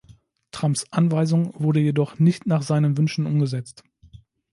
Trumps Anweisung wurde jedoch nicht nach seinen Wünschen umgesetzt.